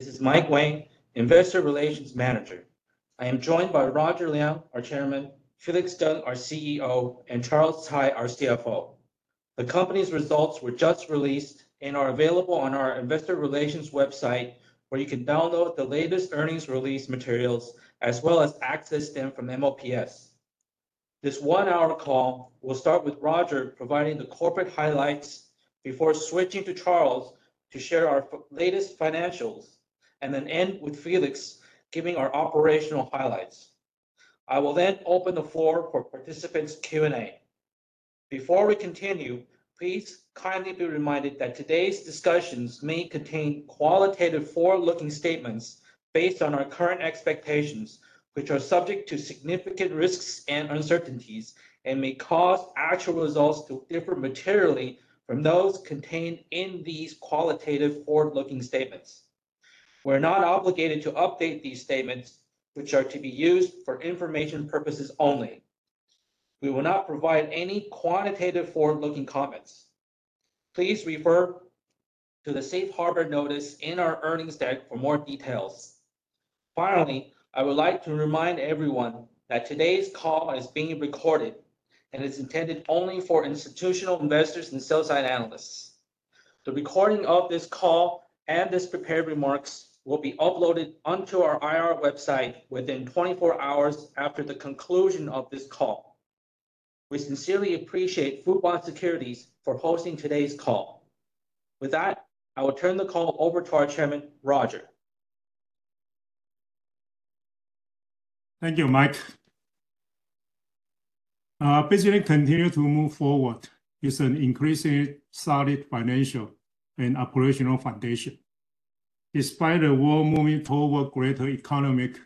This is Mike Wang, Investor Relations Manager. I am joined by Roger Liang, our Chairman, Felix Teng, our CEO, and Charles Tsai, our CFO. The company's results were just released and are available on our Investor Relations website, where you can download the latest earnings release materials as well as access them from MOPS. This one-hour call will start with Roger providing the corporate highlights before switching to Charles to share our latest financials, and then end with Felix giving our operational highlights. I will then open the floor for participants' Q&A. Before we continue, please kindly be reminded that today's discussions may contain qualitative forward-looking statements based on our current expectations, which are subject to significant risks and uncertainties and may cause actual results to differ materially from those contained in these qualitative forward-looking statements. We're not obligated to update these statements, which are to be used for information purposes only. We will not provide any quantitative forward-looking comments. Please refer to the Safe Harbor Notice in our earnings deck for more details. Finally, I would like to remind everyone that today's call is being recorded and is intended only for institutional investors and sell-side analysts. The recording of this call and these prepared remarks will be uploaded onto our IR website within 24 hours after the conclusion of this call. We sincerely appreciate Fubon Securities for hosting today's call. With that, I will turn the call over to our Chairman, Roger. Thank you, Mike. BizLink continues to move forward with an increasingly solid financial and operational foundation. Despite the world moving toward greater economic,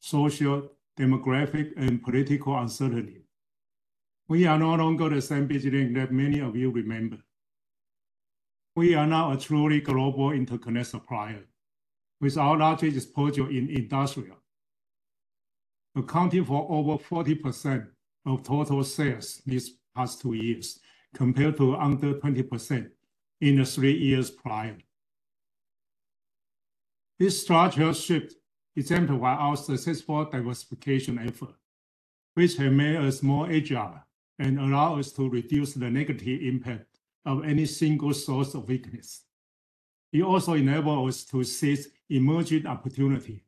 social, demographic, and political uncertainty, we are no longer the same BizLink that many of you remember. We are now a truly global interconnect supplier with our largest exposure in industrial, accounting for over 40% of total sales these past two years compared to under 20% in the three years prior. This structural shift exemplifies our successful diversification effort, which has made us more agile and allowed us to reduce the negative impact of any single source of weakness. It also enabled us to seize emerging opportunities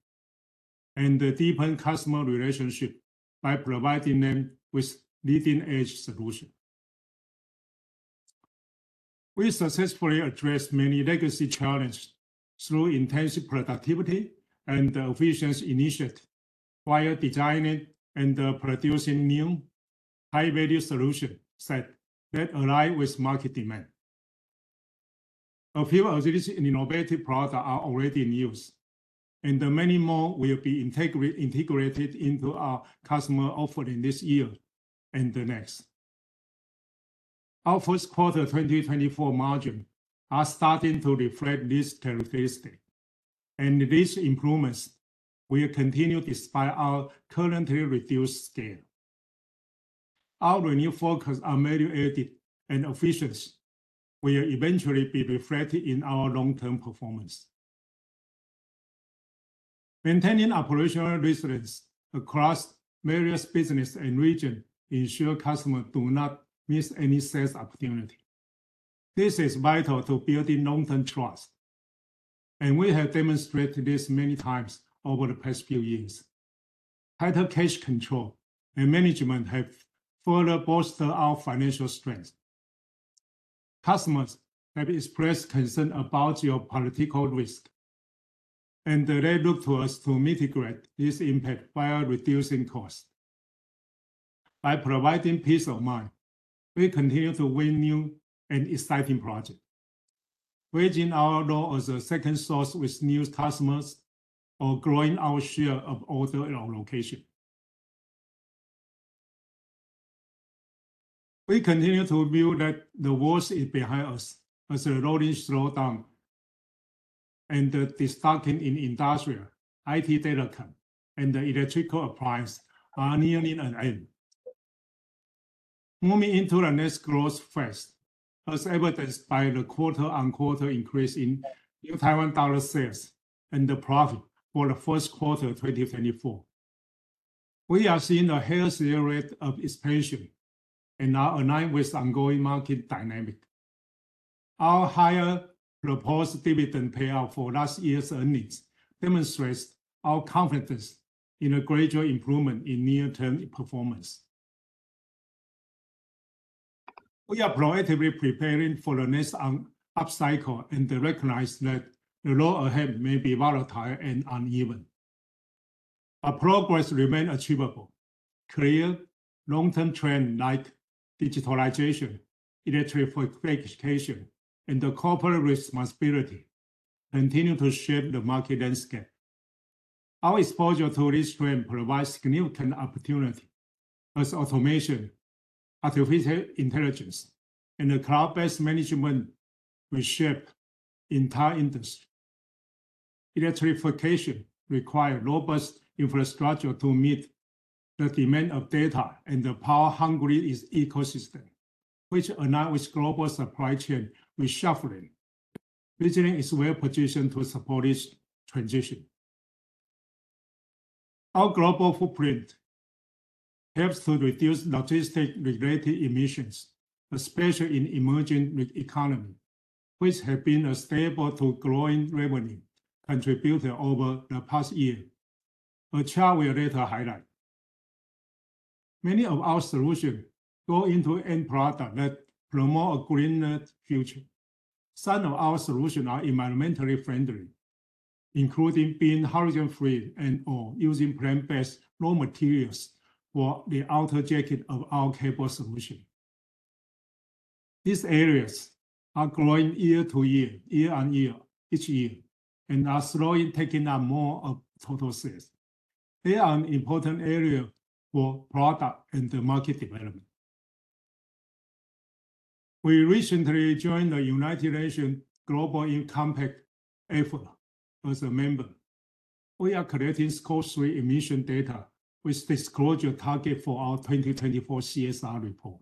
and deepen customer relationships by providing them with leading-edge solutions. We successfully addressed many legacy challenges through intensive productivity and efficiency initiatives while designing and producing new, high-value solution sets that align with market demand. A few of these innovative products are already in use, and many more will be integrated into our customer offering this year and the next. Our first quarter 2024 margins are starting to reflect this characteristic, and these improvements will continue despite our currently reduced scale. Our renewed focus on value added and efficiency will eventually be reflected in our long-term performance. Maintaining operational resilience across various businesses and regions ensures customers do not miss any sales opportunity. This is vital to building long-term trust, and we have demonstrated this many times over the past few years. Tighter cash control and management have further bolstered our financial strength. Customers have expressed concern about geopolitical risks, and they look to us to mitigate this impact while reducing costs. By providing peace of mind, we continue to win new and exciting projects, wedging our role as a second source with new customers or growing our share of orders in our location. We continue to view that the world is behind us as the rolling slowdown and the disturbance in Industrial, IT DataComm, and Electrical Appliances are nearing an end. Moving into the next growth phase, as evidenced by the quarter-on-quarter increase in New Taiwan Dollar sales and the profit for the first quarter 2024, we are seeing a healthier rate of expansion and are aligned with ongoing market dynamics. Our higher proposed dividend payout for last year's earnings demonstrates our confidence in a gradual improvement in near-term performance. We are proactively preparing for the next upcycle and recognize that the road ahead may be volatile and uneven. Our progress remains achievable. Clear long-term trends like digitalization, electrification, and corporate responsibility continue to shape the market landscape. Our exposure to these trends provides significant opportunities, as automation, artificial intelligence, and cloud-based management reshape entire industries. Electrification requires robust infrastructure to meet the demand of data and the power-hungry ecosystem, which aligns with global supply chain reshuffling. BizLink is well positioned to support this transition. Our global footprint helps to reduce logistics-related emissions, especially in the emerging economy, which has been stable through growing revenue contributed over the past year, which I will later highlight. Many of our solutions go into end products that promote a greener future. Some of our solutions are environmentally friendly, including being hydrogen-free and/or using plant-based raw materials for the outer jacket of our cable solution. These areas are growing year to year, year on year, each year, and are slowly taking up more of total sales. They are an important area for product and market development. We recently joined the United Nations Global Compact as a member. We are collecting Scope 3 emission data with disclosure targets for our 2024 CSR report.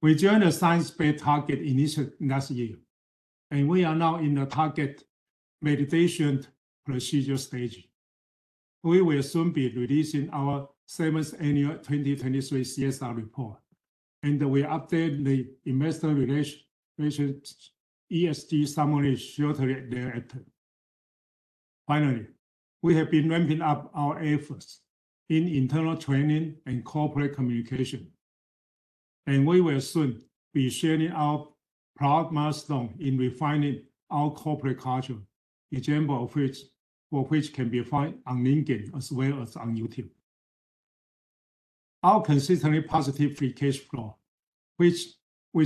We joined the Science Based Targets initiative last year, and we are now in the target validation procedure stage. We will soon be releasing our seventh annual 2023 CSR report, and we update the investor relations ESG summary shortly thereafter. Finally, we have been ramping up our efforts in internal training and corporate communication, and we will soon be sharing our product milestones in refining our corporate culture, examples of which can be found on LinkedIn as well as on YouTube. Our consistently positive free cash flow, with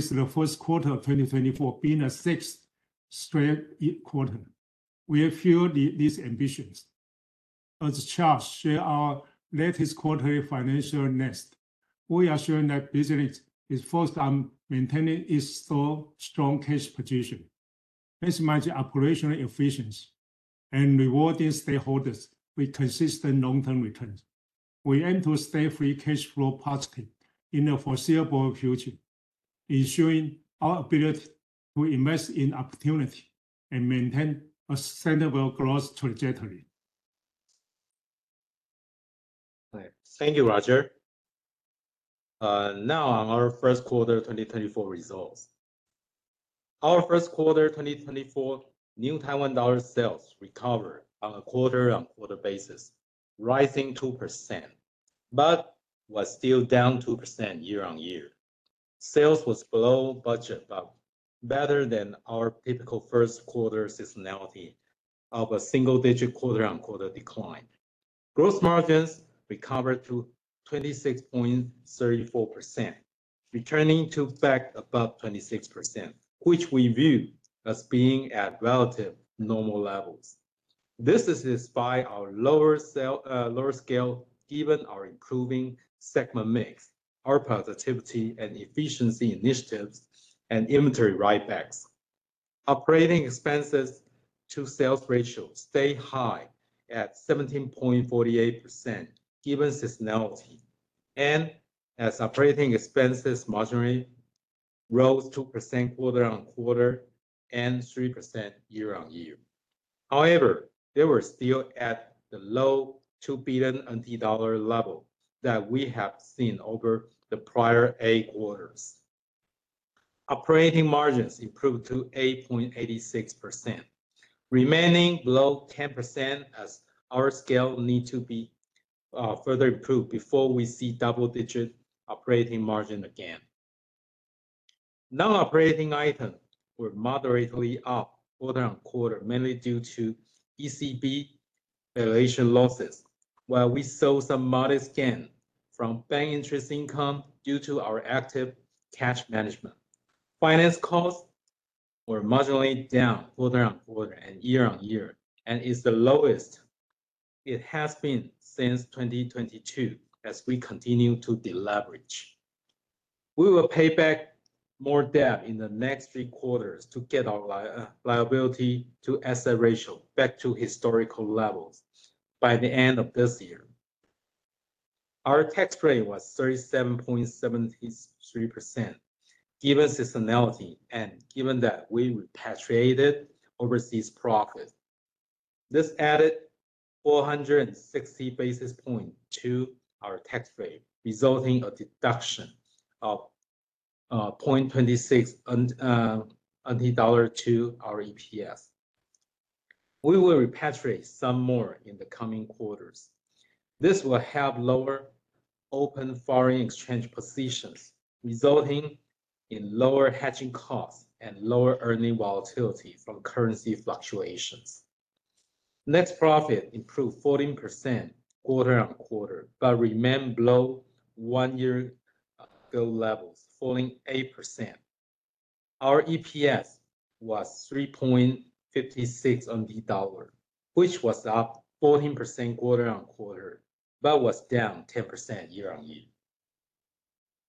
the first quarter of 2024 being a sixth straight quarter, will fuel these ambitions. As Charles shared our latest quarterly financial results, we are showing that BizLink is focused on maintaining its strong cash position, maximizing operational efficiency, and rewarding stakeholders with consistent long-term returns. We aim to stay free cash flow positive in the foreseeable future, ensuring our ability to invest in opportunity and maintain a sustainable growth trajectory. Thank you, Roger. Now on our first quarter 2024 results. Our first quarter 2024 New Taiwan Dollar sales recovered on a quarter-on-quarter basis, rising 2% but was still down 2% year-over-year. Sales were below budget, but better than our typical first quarter seasonality of a single-digit quarter-on-quarter decline. Gross margins recovered to 26.34%, returning to back above 26%, which we view as being at relative normal levels. This is despite our lower scale, given our improving segment mix, our productivity and efficiency initiatives, and inventory writebacks. Operating expenses to sales ratio stayed high at 17.48% given seasonality, and as operating expenses marginally rose 2% quarter-on-quarter and 3% year-over-year. However, they were still at the low 2 billion dollar level that we have seen over the prior eight quarters. Operating margins improved to 8.86%, remaining below 10% as our scale needs to be further improved before we see double-digit operating margin again. Non-operating items were moderately up quarter-on-quarter, mainly due to ECB valuation losses, while we saw some modest gains from bank interest income due to our active cash management. Finance costs were marginally down quarter-on-quarter and year-on-year, and it's the lowest it has been since 2022 as we continue to deleverage. We will pay back more debt in the next three quarters to get our liability to asset ratio back to historical levels by the end of this year. Our tax rate was 37.73% given seasonality and given that we repatriated overseas profits. This added 460 basis points to our tax rate, resulting in a deduction of 0.26 dollar to our EPS. We will repatriate some more in the coming quarters. This will help lower open foreign exchange positions, resulting in lower hedging costs and lower earning volatility from currency fluctuations. Net profit improved 14% quarter-on-quarter but remained below one-year-ago levels, falling 8%. Our EPS was 3.56, which was up 14% quarter-on-quarter but was down 10% year-on-year.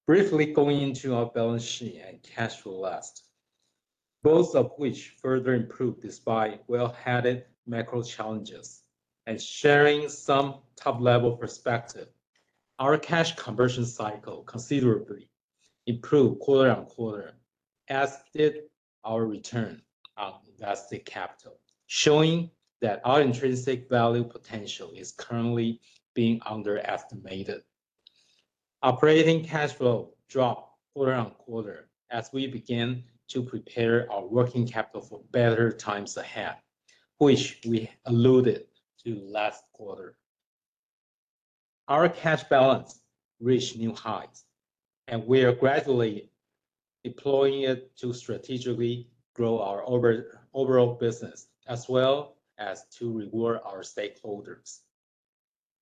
Briefly going into our balance sheet and cash flow last, both of which further improved despite headwinds macro challenges. Sharing some top-level perspective, our cash conversion cycle considerably improved quarter-on-quarter, as did our return on invested capital, showing that our intrinsic value potential is currently being underestimated. Operating cash flow dropped quarter-on-quarter as we began to prepare our working capital for better times ahead, which we alluded to last quarter. Our cash balance reached new highs, and we are gradually deploying it to strategically grow our overall business as well as to reward our stakeholders.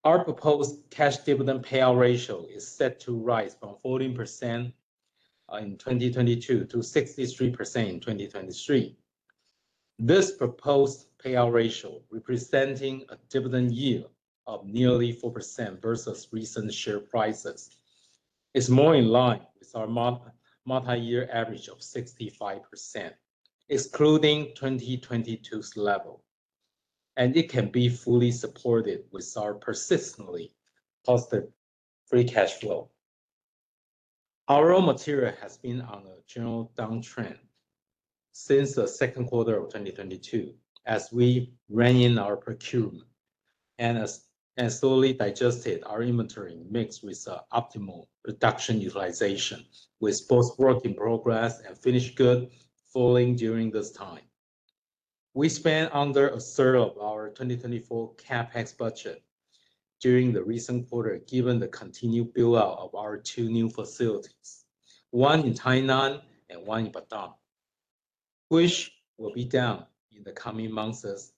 Our proposed cash dividend payout ratio is set to rise from 14% in 2022 to 63% in 2023. This proposed payout ratio, representing a dividend yield of nearly 4% versus recent share prices, is more in line with our multi-year average of 65%, excluding 2022's level, and it can be fully supported with our persistently positive free cash flow. Our raw material has been on a general downtrend since the second quarter of 2022 as we ran in our procurement and slowly digested our inventory mix with optimal production utilization, with both work in progress and finished goods falling during this time. We spent under a third of our 2024 CapEx budget during the recent quarter given the continued buildout of our two new facilities, one in Tainan and one in Batam, which will be done in the coming months,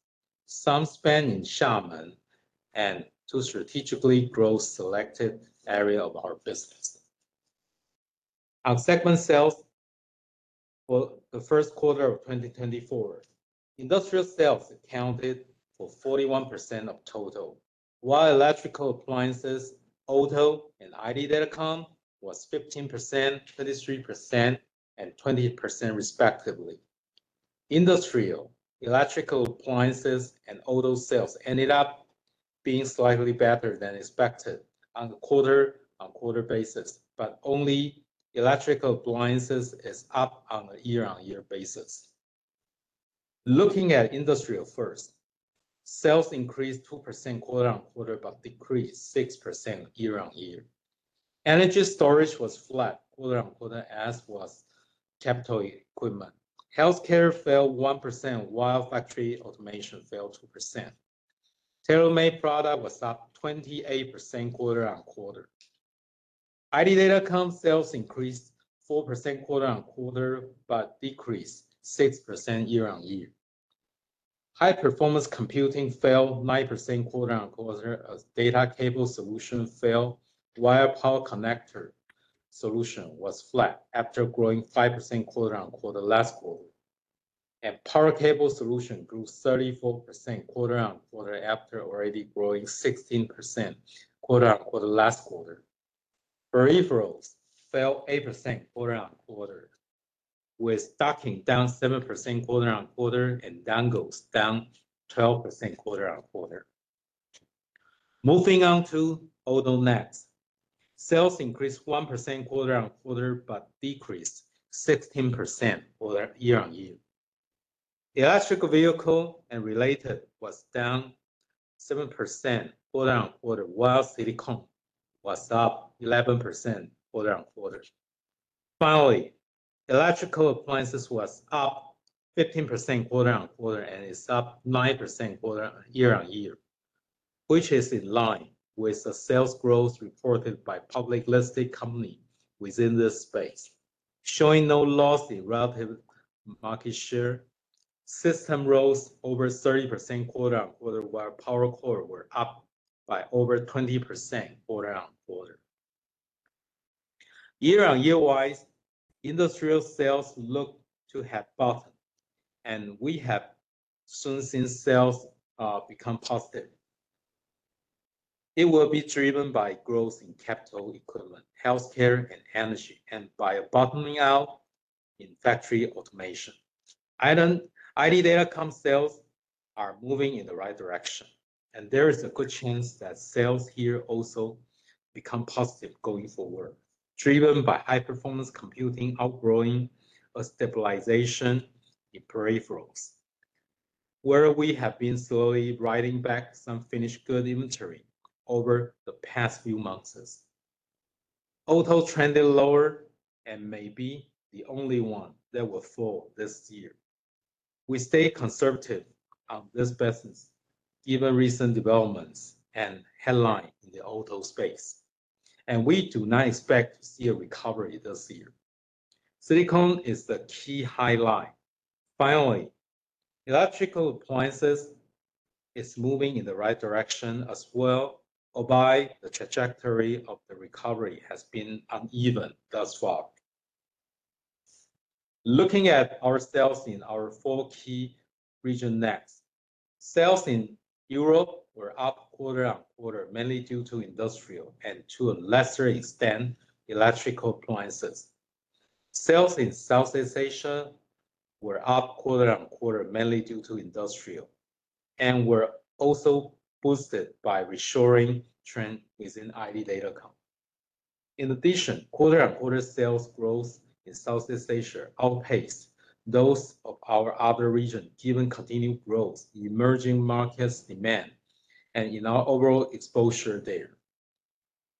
some spent in Xiamen and two strategically growth selected areas of our business. Our segment sales for the first quarter of 2024, Industrial sales accounted for 41% of total, while Electrical Appliances, Auto, and IT DataComm were 15%, 23%, and 20% respectively. Industrial, Electrical Appliances, and Auto sales ended up being slightly better than expected on a quarter-on-quarter basis, but only Electrical Appliances are up on a year-on-year basis. Looking at Industrial first, sales increased 2% quarter-on-quarter but decreased 6% year-on-year. Energy storage was flat quarter-on-quarter as was capital equipment. Healthcare fell 1% while factory automation fell 2%. Tailor-made product was up 28% quarter-on-quarter. IT DataComm's sales increased 4% quarter-over-quarter but decreased 6% year-over-year. High-Performance Computing fell 9% quarter-over-quarter as data cable solutions fell while power connector solutions were flat after growing 5% quarter-over-quarter last quarter. Power cable solutions grew 34% quarter-over-quarter after already growing 16% quarter-over-quarter last quarter. Peripherals fell 8% quarter-over-quarter, with docking down 7% quarter-over-quarter and dongles down 12% quarter-over-quarter. Moving on to Auto next, sales increased 1% quarter-over-quarter but decreased 16% quarter-over-year. Electric vehicle and related was down 7% quarter-over-quarter while silicone was up 11% quarter-over-quarter. Finally, Electrical Appliances were up 15% quarter-over-quarter and are up 9% quarter-over-year, which is in line with the sales growth reported by publicly listed companies within this space, showing no loss in relative market share. Systems rose over 30% quarter-over-quarter while power cords were up by over 20% quarter-over-quarter. Year-over-year-wise, Industrial sales look to have bottomed, and we have soon seen sales become positive. It will be driven by growth in capital equipment, healthcare, and energy, and by a bottoming out in factory automation. IT DataComm sales are moving in the right direction, and there is a good chance that sales here also become positive going forward, driven by High-Performance Computing outgrowing a stabilization in peripherals, where we have been slowly writing back some finished goods inventory over the past few months. Autos trended lower and may be the only one that will fall this year. We stay conservative on this business given recent developments and headlines in the Auto space, and we do not expect to see a recovery this year. Silicone is the key highlight. Finally, Electrical Appliances are moving in the right direction as well, albeit the trajectory of the recovery has been uneven thus far. Looking at our sales in our four key regions next, sales in Europe were up quarter-over-quarter mainly due to Industrial and, to a lesser extent, Electrical Appliances. Sales in Southeast Asia were up quarter-over-quarter mainly due to Industrial and were also boosted by a reshoring trend within IT DataComm. In addition, quarter-over-quarter sales growth in Southeast Asia outpaced those of our other regions given continued growth, emerging markets demand, and in our overall exposure there.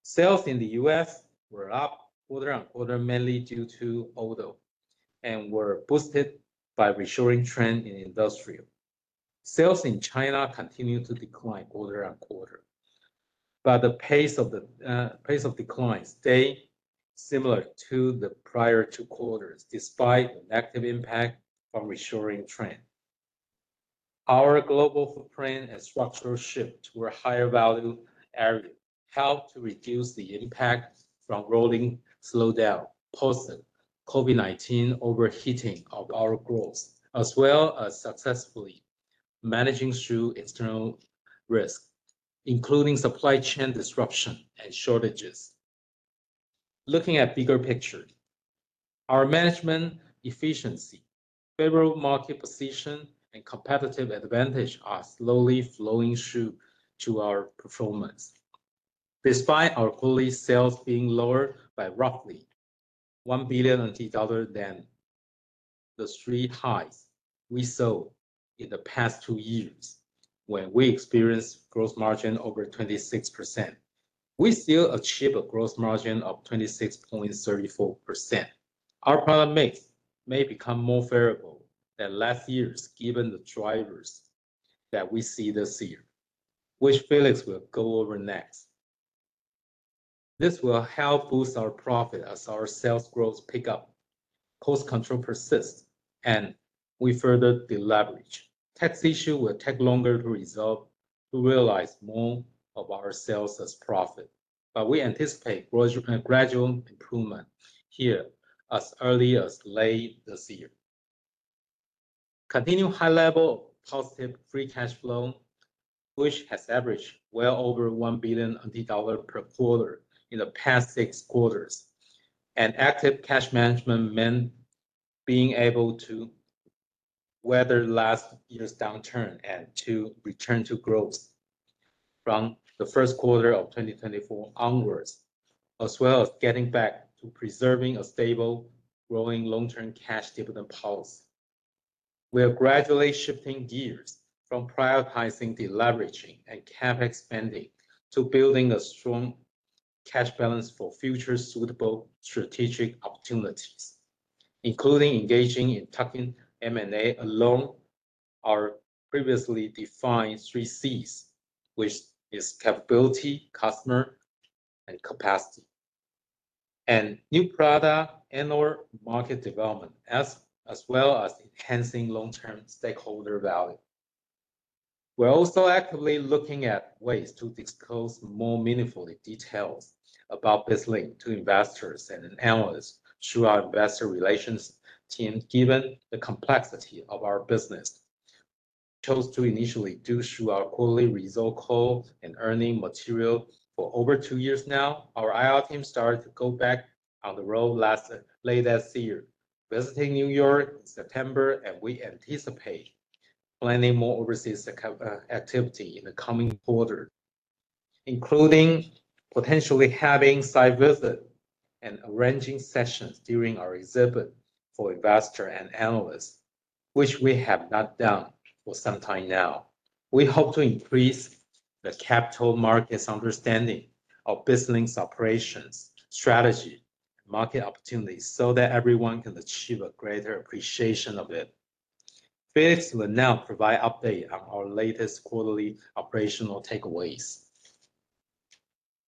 Sales in the U.S. were up quarter-over-quarter mainly due to Auto and were boosted by a reshoring trend in Industrial. Sales in China continued to decline quarter-over-quarter, but the pace of declines stayed similar to the prior two quarters despite the negative impact from a reshoring trend. Our global footprint and structural shift to a higher value area helped to reduce the impact from rolling slowdown, post-COVID-19 overheating of our growth, as well as successfully managing through external risks, including supply chain disruption and shortages. Looking at the bigger picture, our management efficiency, favorable market position, and competitive advantage are slowly flowing through to our performance. Despite our quarterly sales being lower by roughly 1 billion dollars than the three highs we saw in the past two years when we experienced gross margin over 26%, we still achieved a gross margin of 26.34%. Our product mix may become more variable than last year's given the drivers that we see this year, which Felix will go over next. This will help boost our profit as our sales growth pickup, cost control persists, and we further deleverage. Tax issues will take longer to resolve to realize more of our sales as profit, but we anticipate gradual improvement here as early as late this year. Continued high-level positive free cash flow, which has averaged well over 1 billion dollars per quarter in the past six quarters, and active cash management meant being able to weather last year's downturn and to return to growth from the first quarter of 2024 onwards, as well as getting back to preserving a stable growing long-term cash dividend policy. We are gradually shifting gears from prioritizing deleveraging and CapEx spending to building a strong cash balance for future suitable strategic opportunities, including engaging in tuck-in M&A along our previously defined three C's, which are capability, customer, and capacity, and new product and/or market development, as well as enhancing long-term stakeholder value. We're also actively looking at ways to disclose more meaningful details about BizLink to investors and analysts through our investor relations team given the complexity of our business. We chose to initially do through our quarterly results call and earnings material for over two years now. Our IR team started to go back on the road late last year, visiting New York in September, and we anticipate planning more overseas activity in the coming quarter, including potentially having site visits and arranging sessions during our exhibit for investors and analysts, which we have not done for some time now. We hope to increase the capital markets understanding of BizLink's operations, strategy, and market opportunities so that everyone can achieve a greater appreciation of it. Felix will now provide an update on our latest quarterly operational takeaways.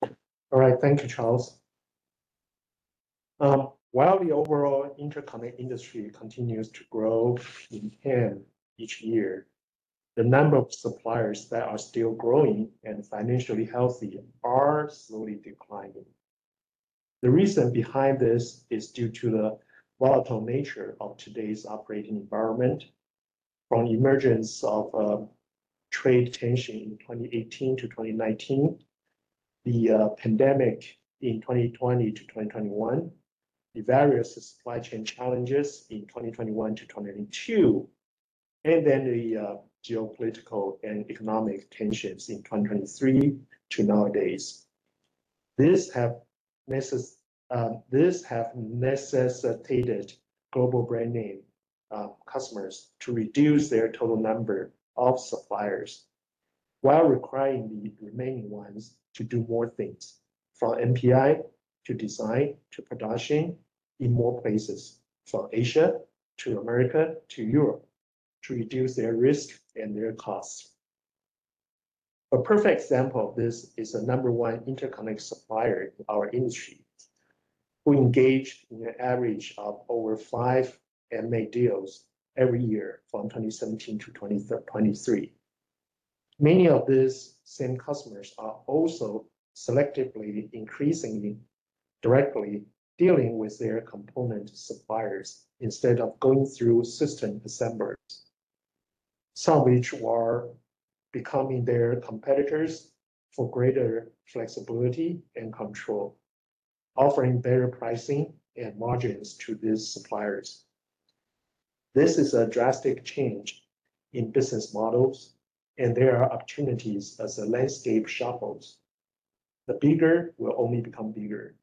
All right. Thank you, Charles. While the overall interconnect industry continues to grow hand in hand each year, the number of suppliers that are still growing and financially healthy are slowly declining. The reason behind this is due to the volatile nature of today's operating environment. From the emergence of trade tensions in 2018 to 2019, the pandemic in 2020 to 2021, the various supply chain challenges in 2021 to 2022, and then the geopolitical and economic tensions in 2023 to nowadays, this has necessitated global brand name customers to reduce their total number of suppliers while requiring the remaining ones to do more things, from NPI to design to production in more places, from Asia to America to Europe, to reduce their risk and their costs. A perfect example of this is a number one interconnect supplier in our industry, who engaged in an average of over five M&A deals every year from 2017 to 2023. Many of these same customers are also selectively increasingly directly dealing with their component suppliers instead of going through system assemblies, some of which were becoming their competitors for greater flexibility and control, offering better pricing and margins to these suppliers. This is a drastic change in business models, and there are opportunities as the landscape shuffles. The bigger will only become bigger,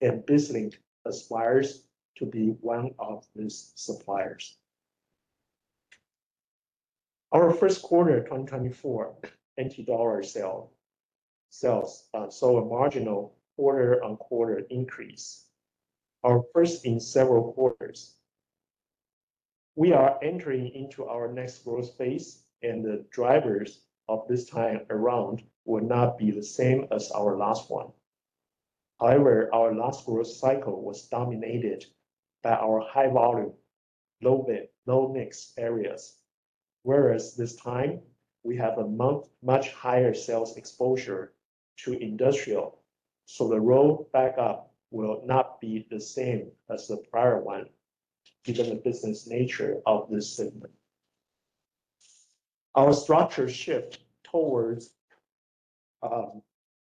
and BizLink aspires to be one of these suppliers. Our first quarter of 2024 New Taiwan dollars saw a marginal quarter-on-quarter increase, our first in several quarters. We are entering into our next growth phase, and the drivers of this time around will not be the same as our last one. However, our last growth cycle was dominated by our high volume, low mix areas, whereas this time we have a much higher sales exposure to Industrial, so the roll back up will not be the same as the prior one given the business nature of this segment. Our structure shift towards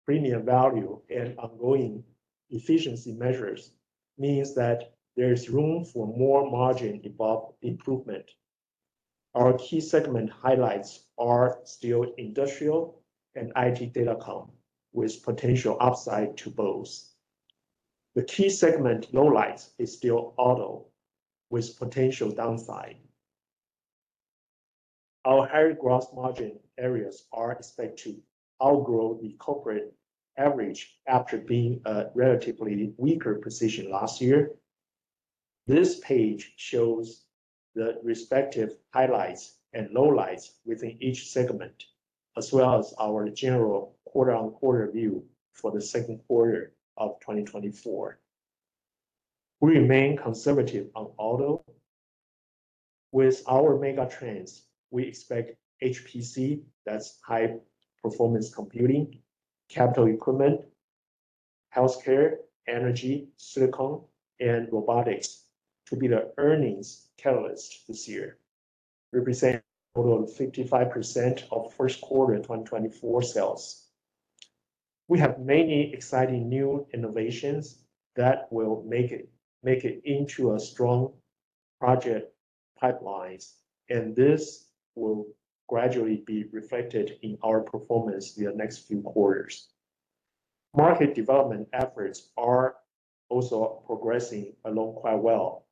premium value and ongoing efficiency measures means that there is room for more margin improvement. Our key segment highlights are still Industrial and IT DataComm, with potential upside to both. The key segment lowlights is still Auto, with potential downside. Our higher gross margin areas are expected to outgrow the corporate average after being a relatively weaker position last year. This page shows the respective highlights and lowlights within each segment, as well as our general quarter-on-quarter view for the second quarter of 2024. We remain conservative on Auto. With our mega trends, we expect HPC, that's High-Performance Computing, capital equipment, healthcare, energy, silicone, and robotics to be the earnings catalyst this year, representing a total of 55% of first quarter 2024 sales. We have many exciting new innovations that will make it into a strong project pipeline, and this will gradually be reflected in our performance in the next few quarters. Market development efforts are also progressing along quite well.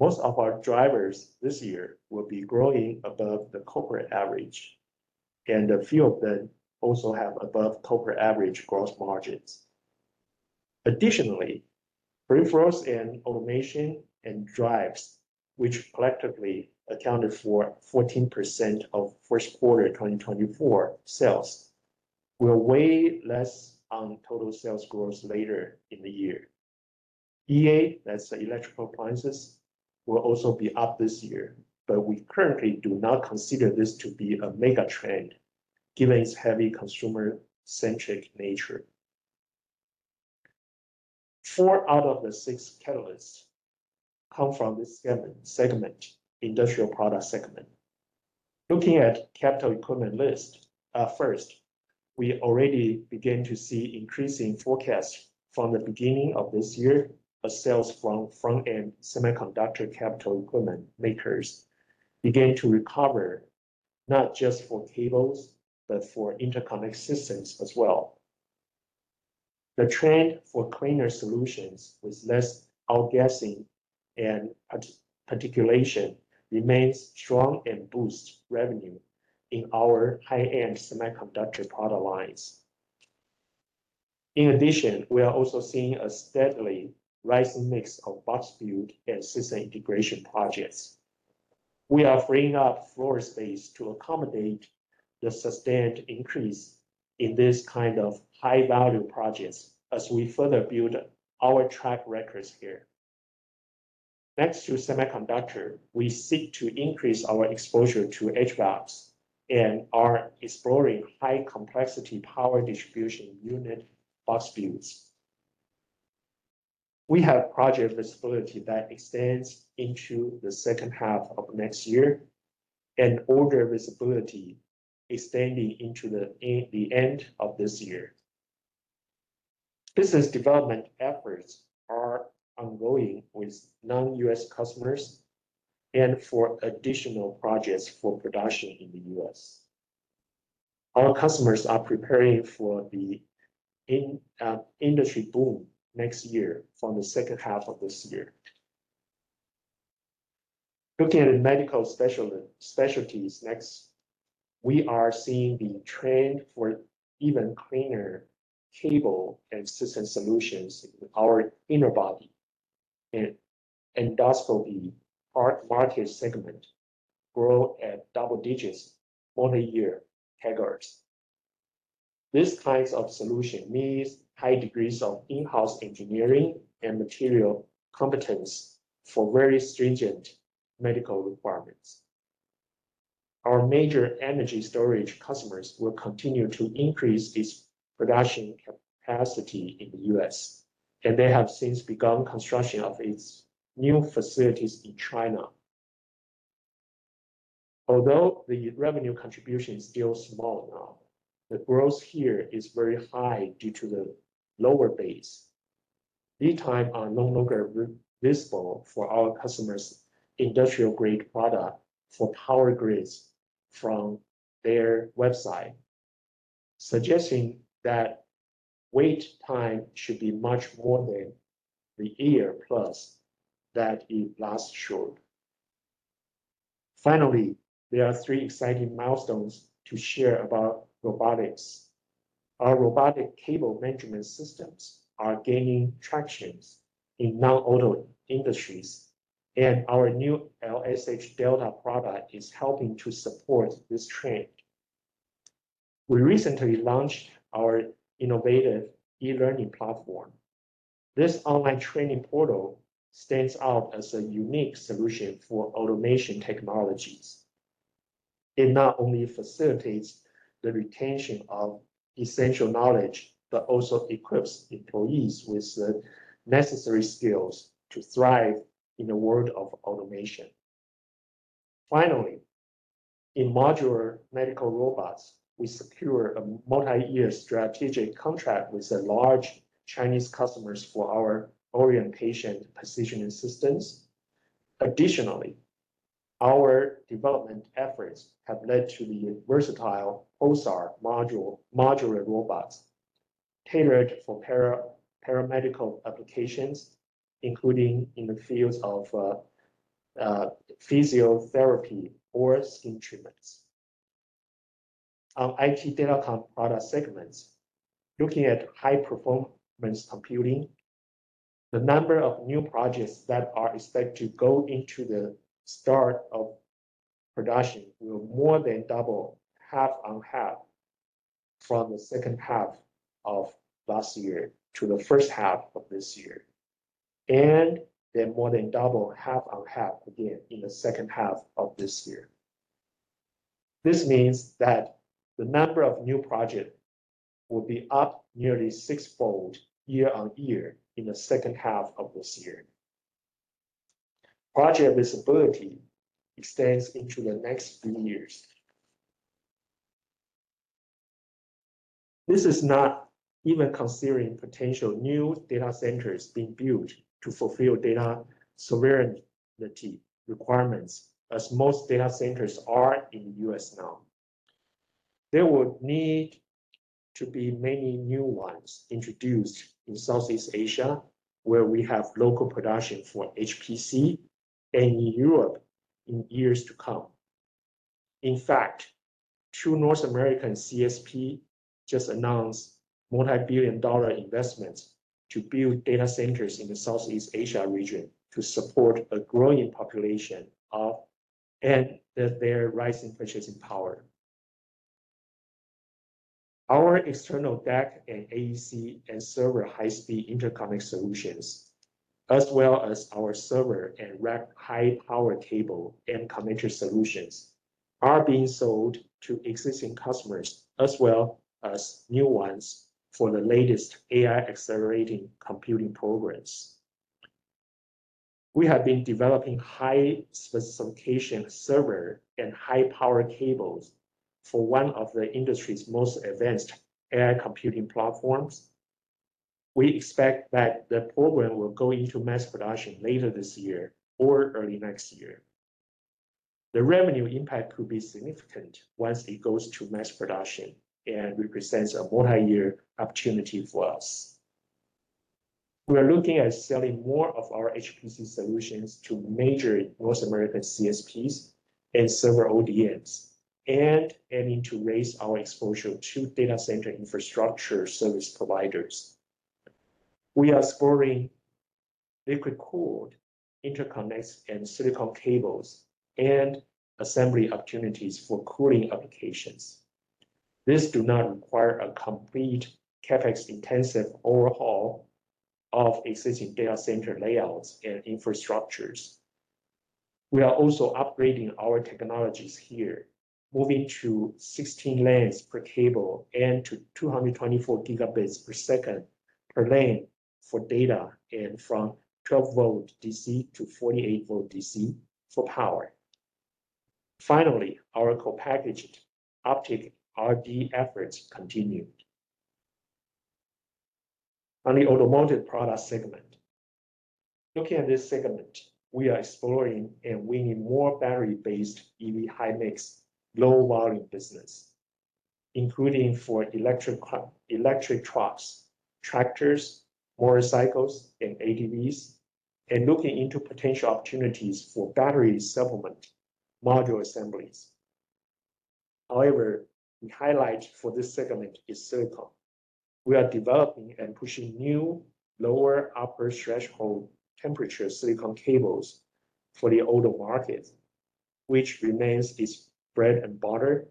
Most of our drivers this year will be growing above the corporate average, and a few of them also have above corporate average gross margins. Additionally, peripherals and automation and drives, which collectively accounted for 14% of first quarter 2024 sales, will weigh less on total sales growth later in the year. EA, that's Electrical Appliances, will also be up this year, but we currently do not consider this to be a mega trend given its heavy consumer-centric nature. Four out of the six catalysts come from this segment, Industrial product segment. Looking at the capital equipment list, first, we already began to see increasing forecasts from the beginning of this year as sales from front-end semiconductor capital equipment makers began to recover, not just for cables, but for interconnect systems as well. The trend for cleaner solutions with less outgassing and particulation remains strong and boosts revenue in our high-end semiconductor product lines. In addition, we are also seeing a steadily rising mix of box build and system integration projects. We are freeing up floor space to accommodate the sustained increase in this kind of high-value projects as we further build our track records here. Next to semiconductor, we seek to increase our exposure to HVACs and are exploring high-complexity power distribution unit box builds. We have project visibility that extends into the second half of next year and order visibility extending into the end of this year. Business development efforts are ongoing with non-U.S. customers and for additional projects for production in the U.S. Our customers are preparing for the industry boom next year from the second half of this year. Looking at medical specialties next, we are seeing the trend for even cleaner cable and system solutions in our inner body. Endoscopy market segment grows at double digits on a year categories. This kind of solution means high degrees of in-house engineering and material competence for very stringent medical requirements. Our major energy storage customers will continue to increase its production capacity in the U.S., and they have since begun construction of its new facilities in China. Although the revenue contribution is still small now, the growth here is very high due to the lower base. Lead time is no longer visible for our customers' industrial-grade product for power grids from their website, suggesting that wait time should be much more than the year plus that it lasts showed. Finally, there are three exciting milestones to share about robotics. Our robotic cable management systems are gaining traction in non-auto industries, and our new LSH Delta product is helping to support this trend. We recently launched our innovative e-learning platform. This online training portal stands out as a unique solution for automation technologies. It not only facilitates the retention of essential knowledge, but also equips employees with the necessary skills to thrive in the world of automation. Finally, in modular medical robots, we secure a multi-year strategic contract with large Chinese customers for our orientation positioning systems. Additionally, our development efforts have led to the versatile PULSAR modular robots tailored for paramedical applications, including in the fields of physiotherapy or skin treatments. On IT DataComm product segments, looking at High-Performance Computing, the number of new projects that are expected to go into the start of production will more than double half on half from the second half of last year to the first half of this year, and then more than double half on half again in the second half of this year. This means that the number of new projects will be up nearly six-fold year-over-year in the second half of this year. Project visibility extends into the next few years. This is not even considering potential new data centers being built to fulfill data sovereignty requirements, as most data centers are in the U.S. now. There will need to be many new ones introduced in Southeast Asia, where we have local production for HPC, and in Europe in years to come. In fact, two North American CSPs just announced multibillion-dollar investments to build data centers in the Southeast Asia region to support a growing population of, and that their rising purchasing power. Our external DAC and AEC and server high-speed interconnect solutions, as well as our server and rack high-power cable and connector solutions, are being sold to existing customers, as well as new ones for the latest AI-accelerating computing programs. We have been developing high-specification server and high-power cables for one of the industry's most advanced AI computing platforms. We expect that the program will go into mass production later this year or early next year. The revenue impact could be significant once it goes to mass production and represents a multi-year opportunity for us. We are looking at selling more of our HPC solutions to major North American CSPs and server ODMs, and aiming to raise our exposure to data center infrastructure service providers. We are exploring liquid-cooled interconnects and silicone cables and assembly opportunities for cooling applications. These do not require a complete CapEx-intensive overhaul of existing data center layouts and infrastructures. We are also upgrading our technologies here, moving to 16 lanes per cable and to 224 Gbps per lane for data and from 12 V DC to 48 V DC for power. Finally, our co-packaged optics R&D efforts continue. On the Automotive product segment, looking at this segment, we are exploring and winning more battery-based EV high-mix, low-volume business, including for electric trucks, tractors, motorcycles, and ATVs, and looking into potential opportunities for battery supplement module assemblies. However, the highlight for this segment is silicone. We are developing and pushing new lower upper threshold temperature silicone cables for the Auto market, which remains its bread and butter.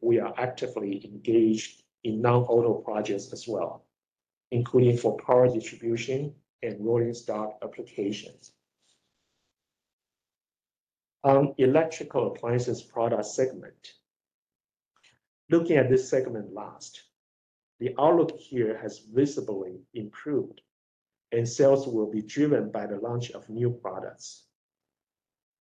We are actively engaged in non-auto projects as well, including for power distribution and rolling stock applications. On the Electrical Appliances product segment, looking at this segment last, the outlook here has visibly improved, and sales will be driven by the launch of new products.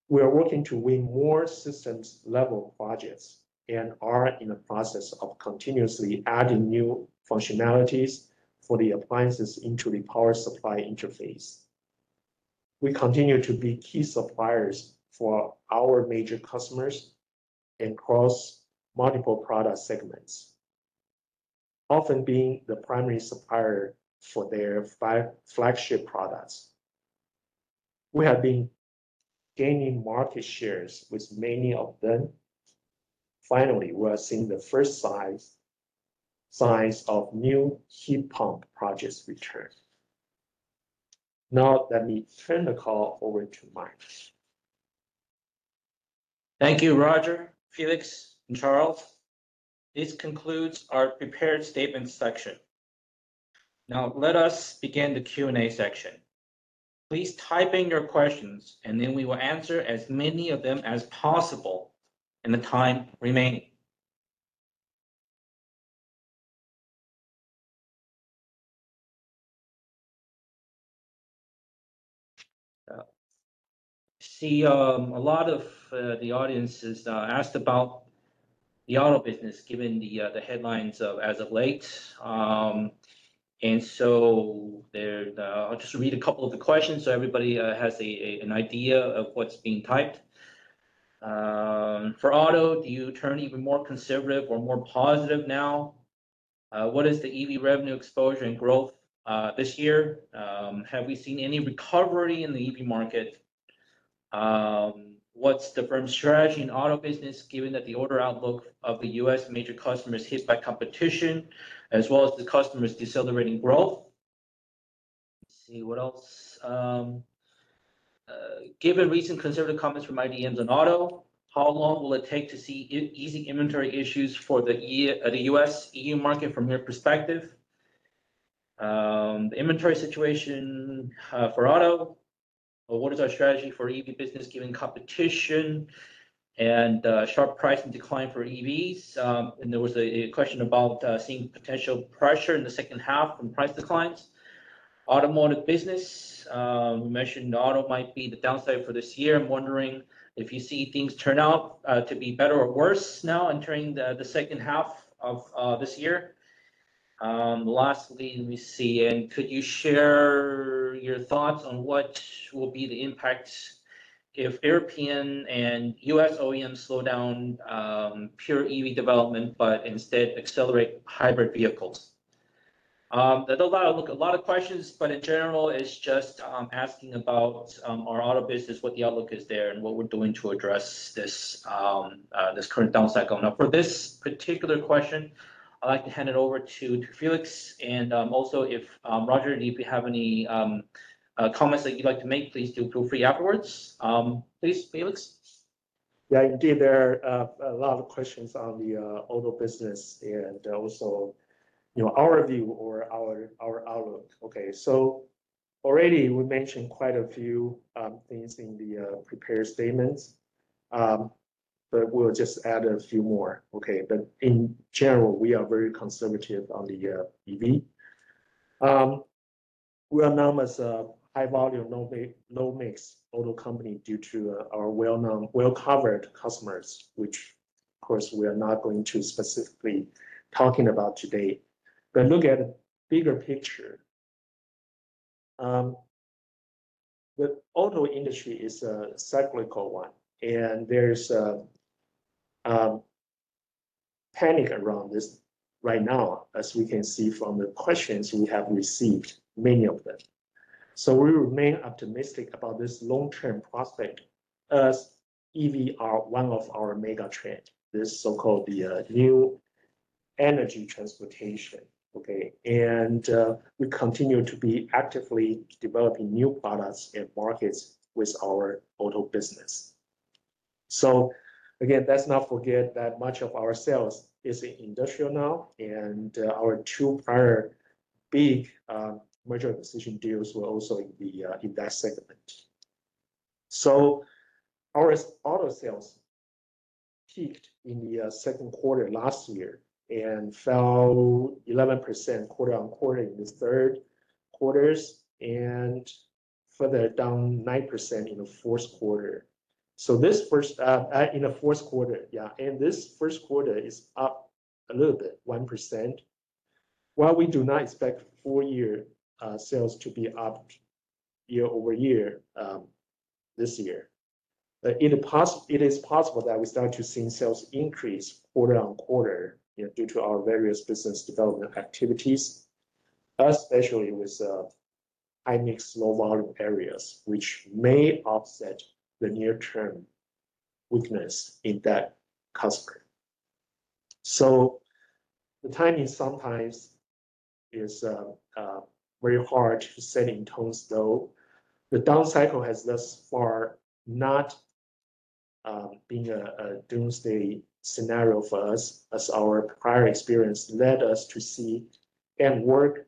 We are working to win more systems-level projects and are in the process of continuously adding new functionalities for the appliances into the power supply interface. We continue to be key suppliers for our major customers across multiple product segments, often being the primary supplier for their flagship products. We have been gaining market shares with many of them. Finally, we are seeing the first signs of new heat pump projects return. Now, let me turn the call over to Mike. Thank you, Roger, Felix, and Charles. This concludes our prepared statements section. Now, let us begin the Q&A section. Please type in your questions, and then we will answer as many of them as possible in the time remaining. I see a lot of the audience has asked about the Auto business given the headlines as of late. So I'll just read a couple of the questions so everybody has an idea of what's being typed. For Auto, do you turn even more conservative or more positive now? What is the EV revenue exposure and growth this year? Have we seen any recovery in the EV market? What's the firm's strategy in Auto business given that the order outlook of the U.S. major customers hit by competition, as well as the customers decelerating growth? Let's see. What else? Given recent conservative comments from IDMs on Auto, how long will it take to see easing inventory issues for the U.S. E.U. market from your perspective? The inventory situation for Auto? What is our strategy for EV business given competition and sharp pricing decline for EVs? There was a question about seeing potential pressure in the second half from price declines. Automotive business, we mentioned Auto might be the downside for this year. I'm wondering if you see things turn out to be better or worse now entering the second half of this year. Lastly, we see, and could you share your thoughts on what will be the impacts if European and U.S. OEMs slow down pure EV development but instead accelerate hybrid vehicles? That's a lot of questions, but in general, it's just asking about our Auto business, what the outlook is there, and what we're doing to address this current downside going up. For this particular question, I'd like to hand it over to Felix. And also, if Roger, if you have any comments that you'd like to make, please do feel free afterwards. Please, Felix? Yeah, indeed. There are a lot of questions on the Auto business and also our view or our outlook. Okay. So already, we mentioned quite a few things in the prepared statements, but we'll just add a few more. Okay. But in general, we are very conservative on the EV. We are known as a high-volume, low-mix auto company due to our well-covered customers, which, of course, we are not going to specifically talk about today. But look at the bigger picture. The auto industry is a cyclical one, and there's panic around this right now, as we can see from the questions we have received, many of them. So we remain optimistic about this long-term prospect as EVs are one of our mega trends, this so-called new energy transportation. Okay. And we continue to be actively developing new products and markets with our Auto business. So again, let's not forget that much of our sales is in Industrial now, and our two prior big merger and acquisition deals were also in the Industrial segment. So our Auto sales peaked in the second quarter last year and fell 11% quarter-on-quarter in the third quarter and further down 9% in the fourth quarter. And this first quarter is up a little bit, 1%. While we do not expect full-year sales to be up year-over-year this year, it is possible that we start to see sales increase quarter-on-quarter due to our various business development activities, especially with high-mix, low-volume areas, which may offset the near-term weakness in that customer. So the timing sometimes is very hard to set in stone, though. The downcycle has thus far not been a doomsday scenario for us, as our prior experience led us to see and work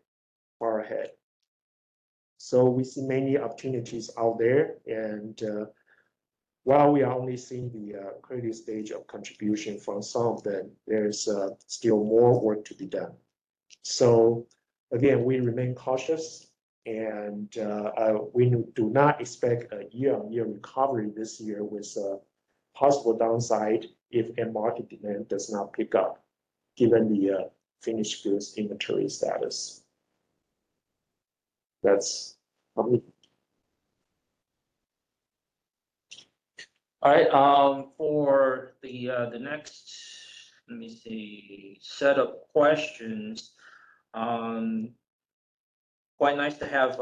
far ahead. So we see many opportunities out there. And while we are only seeing the accretive stage of contribution from some of them, there's still more work to be done. So again, we remain cautious. And we do not expect a year-over-year recovery this year with a possible downside if market demand does not pick up given the finished goods inventory status. That's from me. All right. For the next, let me see, set of questions, quite nice to have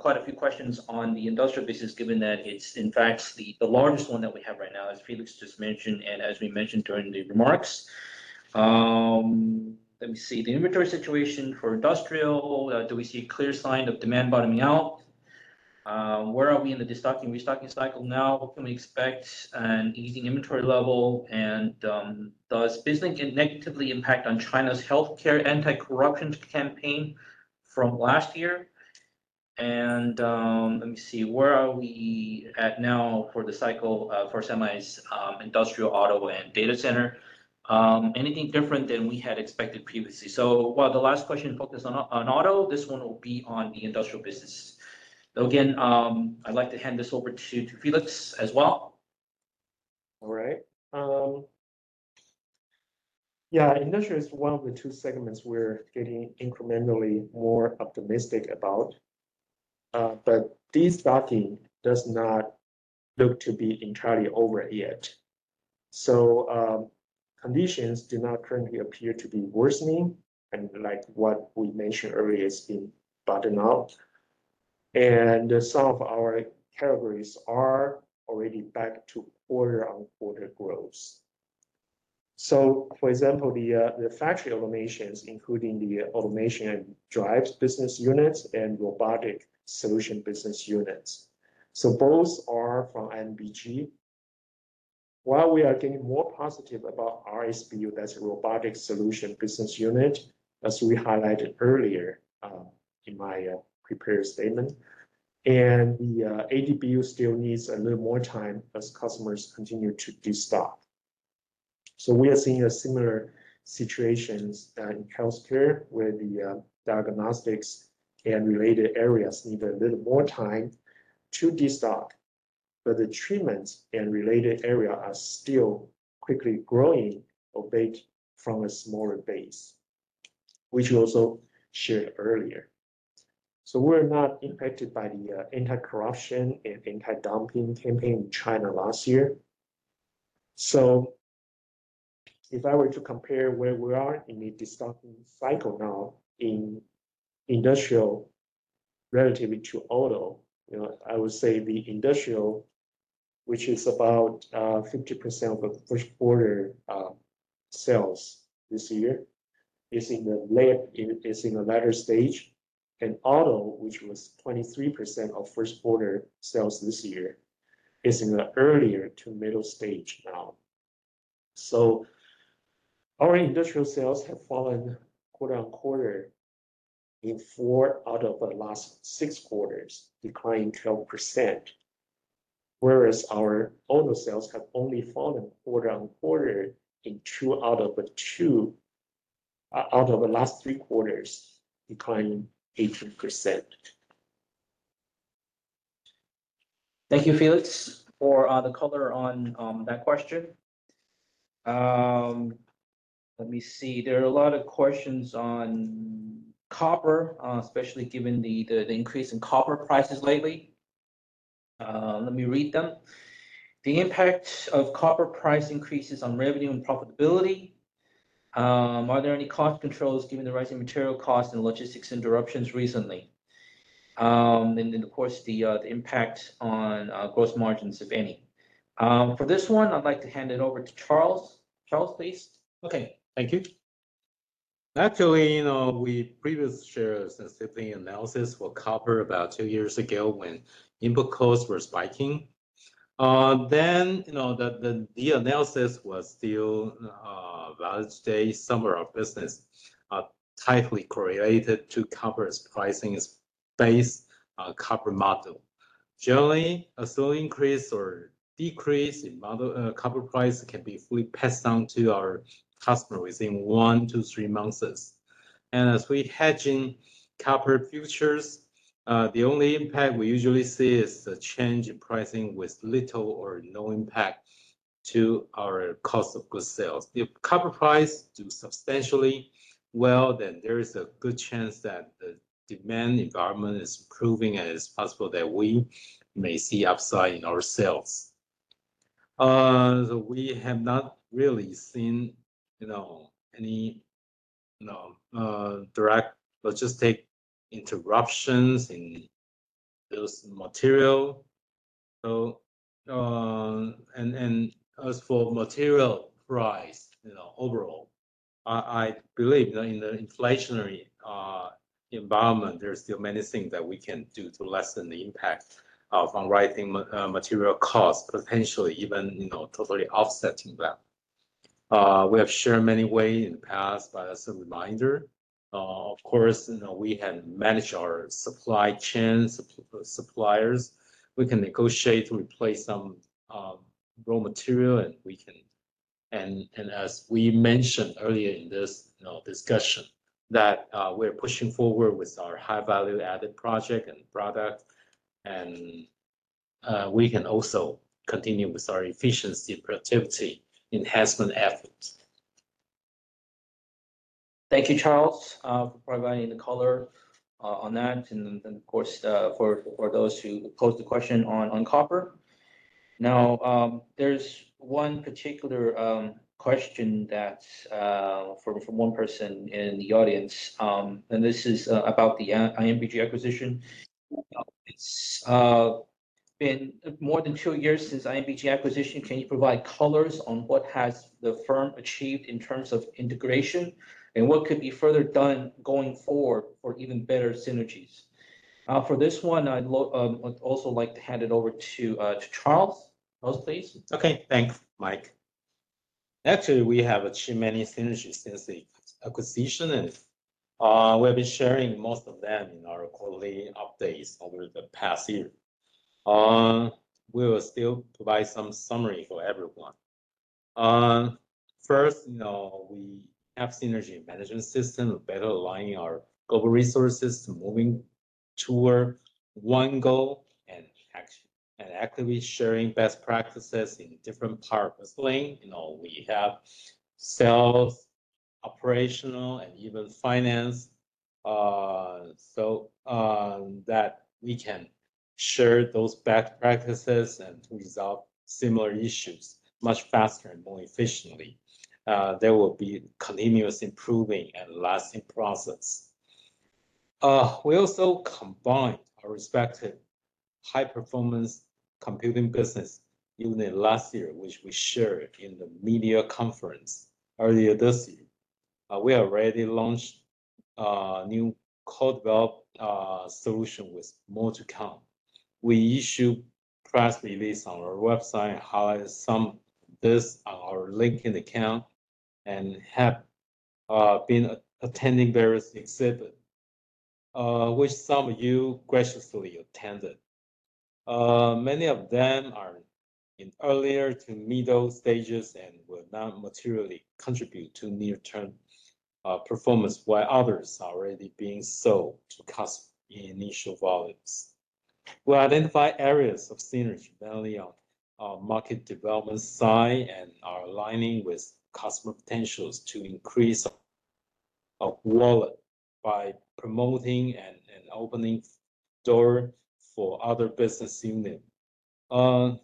quite a few questions on the Industrial business given that it's, in fact, the largest one that we have right now, as Felix just mentioned and as we mentioned during the remarks. Let me see. The inventory situation for Industrial, do we see a clear sign of demand bottoming out? Where are we in the destocking and restocking cycle now? Can we expect an easing inventory level? And does BizLink negatively impact on China's healthcare anti-corruption campaign from last year? And let me see. Where are we at now for the cycle for semis, Industrial Auto, and data center? Anything different than we had expected previously? So while the last question focused on Auto, this one will be on the Industrial business. Again, I'd like to hand this over to Felix as well. All right. Yeah, Industrial is one of the two segments we're getting incrementally more optimistic about. But destocking does not look to be entirely over yet. So conditions do not currently appear to be worsening. And like what we mentioned earlier, it's been bottoming out. Some of our categories are already back to quarter-on-quarter growth. So for example, the factory automations, including the automation and drives business units and robotic solution business units. So both are from INBG. While we are getting more positive about RSBU, that's a robotic solution business unit, as we highlighted earlier in my prepared statement, and the ADBU still needs a little more time as customers continue to destock. So we are seeing similar situations in healthcare where the diagnostics and related areas need a little more time to destock. But the treatment and related areas are still quickly growing, albeit from a smaller base, which we also shared earlier. So we're not impacted by the anti-corruption and anti-dumping campaign in China last year. So if I were to compare where we are in the destocking cycle now in Industrial relative to Auto, I would say the Industrial, which is about 50% of the first-quarter sales this year, is in a later stage. And Auto, which was 23% of first-quarter sales this year, is in an earlier to middle stage now. So our Industrial sales have fallen quarter-on-quarter in four out of the last six quarters, declining 12%. Whereas our Auto sales have only fallen quarter-on-quarter in two out of the last three quarters, declining 18%. Thank you, Felix, for the color on that question. Let me see. There are a lot of questions on copper, especially given the increase in copper prices lately. Let me read them. The impact of copper price increases on revenue and profitability. Are there any cost controls given the rising material costs and logistics interruptions recently? And then, of course, the impact on gross margins, if any. For this one, I'd like to hand it over to Charles. Charles, please. Okay. Thank you. Actually, we previously shared a sensitive analysis for copper about two years ago when input costs were spiking. Then the analysis was still valid today. Some of our business are tightly correlated to copper's pricing based on the copper model. Generally, a slow increase or decrease in copper price can be fully passed on to our customer within one to three months. And as we hedge in copper futures, the only impact we usually see is a change in pricing with little or no impact to our cost of goods sales. If copper prices do substantially well, then there is a good chance that the demand environment is improving and it's possible that we may see upside in our sales. So we have not really seen any direct logistic interruptions in those materials. As for material price overall, I believe in the inflationary environment, there are still many things that we can do to lessen the impact of underlying material costs, potentially even totally offsetting that. We have shared many ways in the past, but as a reminder, of course, we have managed our supply chain suppliers. We can negotiate to replace some raw material. As we mentioned earlier in this discussion, that we are pushing forward with our high-value added project and product. We can also continue with our efficiency and productivity enhancement efforts. Thank you, Charles, for providing the color on that. And then, of course, for those who posed the question on copper. Now, there's one particular question that's from one person in the audience. And this is about the INBG acquisition. It's been more than two years since INBG acquisition. Can you provide colors on what has the firm achieved in terms of integration and what could be further done going forward for even better synergies? For this one, I'd also like to hand it over to Charles. Charles, please. Okay. Thanks, Mike. Actually, we have achieved many synergies since the acquisition, and we have been sharing most of them in our quarterly updates over the past year. We will still provide some summary for everyone. First, we have synergy management systems better aligning our global resources to moving toward one goal and actively sharing best practices in different parts. Lastly, we have sales, operational, and even finance so that we can share those best practices and resolve similar issues much faster and more efficiently. There will be continuous improvement and lasting process. We also combined our respective High-Performance Computing business units last year, which we shared in the media conference earlier this year. We already launched a new co-developed solution with MultiLane. We issued press releases on our website and highlighted some of this on our LinkedIn account and have been attending various exhibits, which some of you graciously attended. Many of them are in early to middle stages and will not materially contribute to near-term performance, while others are already being sold to customers in initial volumes. We identified areas of synergy mainly on our market development side and our aligning with customer potentials to increase our wallet by promoting and opening doors for other business units. So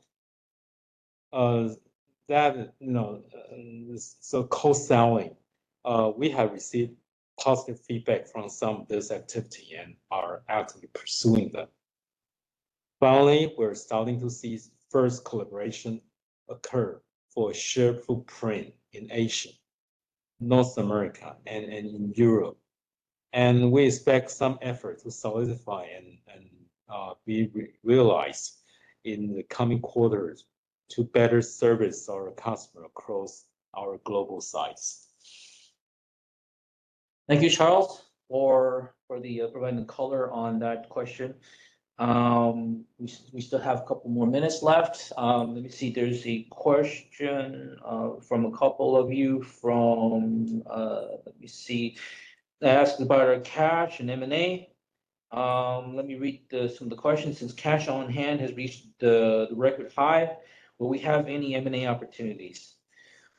co-selling, we have received positive feedback from some of this activity and are actively pursuing that. Finally, we're starting to see first collaboration occur for a shared footprint in Asia, North America, and in Europe. And we expect some effort to solidify and be realized in the coming quarters to better service our customers across our global sites. Thank you, Charles, for providing the color on that question. We still have a couple more minutes left. Let me see. There's a question from a couple of you, let me see, they asked about our cash and M&A. Let me read some of the questions. Since cash on hand has reached the record high, will we have any M&A opportunities?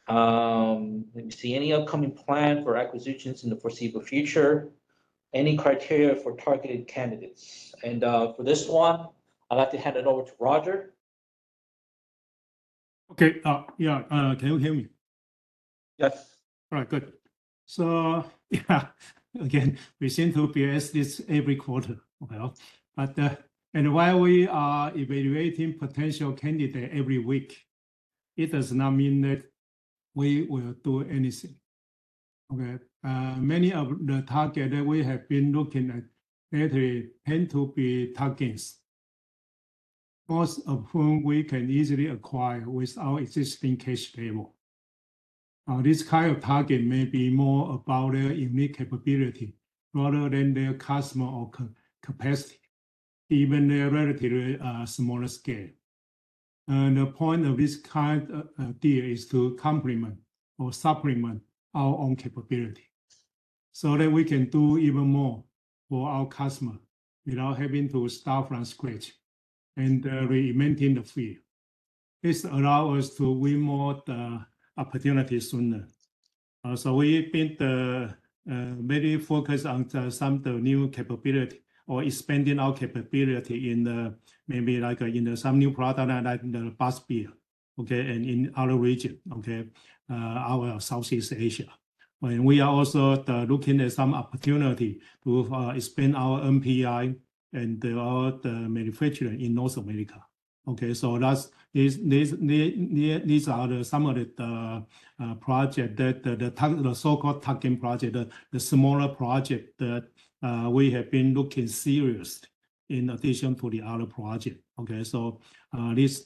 Let me see. Any upcoming plan for acquisitions in the foreseeable future? Any criteria for targeted candidates? And for this one, I'd like to hand it over to Roger. Okay. Yeah. Can you hear me? Yes. All right. Good. So yeah. Again, we seem to hear this every quarter. Okay? And while we are evaluating potential candidates every week, it does not mean that we will do anything. Okay? Many of the targets that we have been looking at relatively tend to be targets, most of whom we can easily acquire with our existing cash table. This kind of target may be more about their unique capability rather than their customer capacity, even their relatively smaller scale. And the point of this kind of deal is to complement or supplement our own capability so that we can do even more for our customer without having to start from scratch and reinventing the wheel. This allows us to win more opportunities sooner. So we've been very focused on some of the new capability or expanding our capability in maybe some new products like the busbar, okay, and in our region, okay, our Southeast Asia. And we are also looking at some opportunity to expand our NPI and all the manufacturing in North America. Okay? So these are some of the projects, the so-called targeting project, the smaller project that we have been looking seriously in addition to the other projects. Okay? So this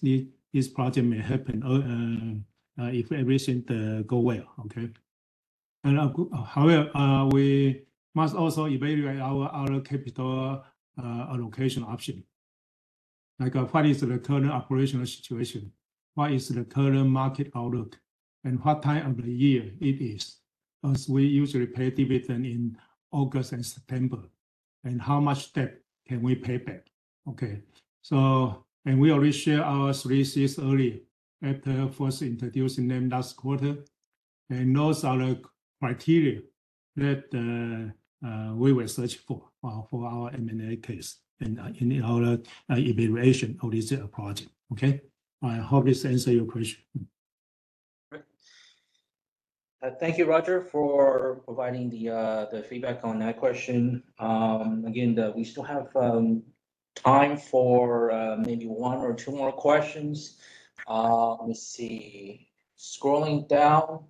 project may happen if everything goes well. Okay? However, we must also evaluate our capital allocation option. What is the current operational situation? What is the current market outlook? And what time of the year it is? As we usually pay dividends in August and September, and how much debt can we pay back? Okay? And we already shared our three C's earlier after first introducing them last quarter. Those are the criteria that we will search for for our M&A case and in our evaluation of this project. Okay? I hope this answered your question. Great. Thank you, Roger, for providing the feedback on that question. Again, we still have time for maybe one or two more questions. Let me see. Scrolling down,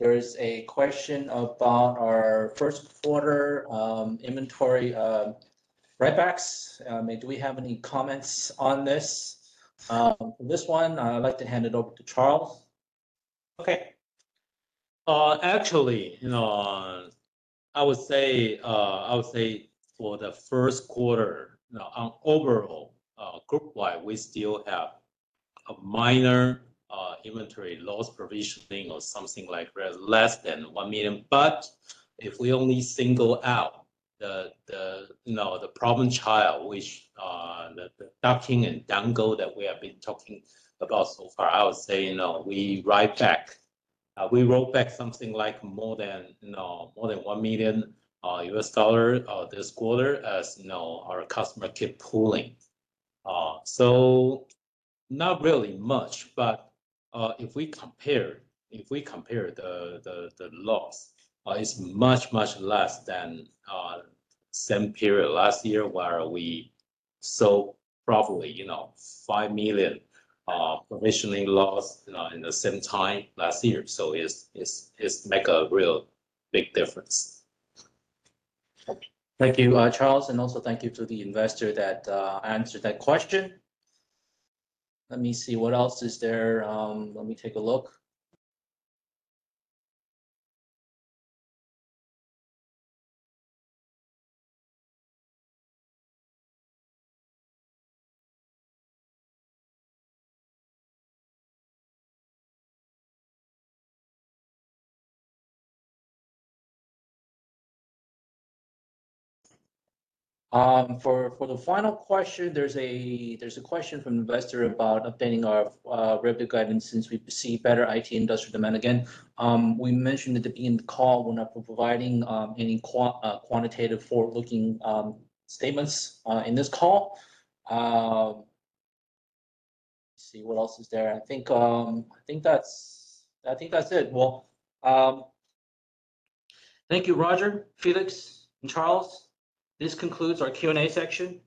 there is a question about our first quarter inventory writebacks. Do we have any comments on this? For this one, I'd like to hand it over to Charles. Okay. Actually, I would say for the first quarter, overall, group-wise, we still have a minor inventory loss provisioning or something like less than 1 million. But if we only single out the problem child, which the docking and dongles that we have been talking about so far, I would say we write back. We wrote back something like more than $1 million this quarter as our customers keep pulling. So not really much. But if we compare the loss, it's much, much less than the same period last year where we sold probably $5 million provisioning loss in the same time last year. So it makes a real big difference. Thank you, Charles. And also thank you to the investor that answered that question. Let me see. What else is there? Let me take a look. For the final question, there's a question from an investor about updating our revenue guidance since we see better IT industry demand. Again, we mentioned at the beginning of the call we're not providing any quantitative forward-looking statements in this call. Let me see. What else is there? I think that's it. Well, thank you, Roger, Felix, and Charles. This concludes our Q&A section.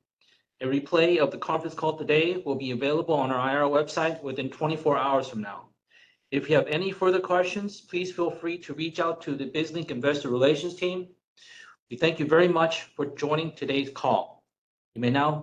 A replay of the conference call today will be available on our IR website within 24 hours from now. If you have any further questions, please feel free to reach out to the BizLink investor relations team. We thank you very much for joining today's call. You may now.